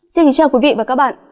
xin chào quý vị và các bạn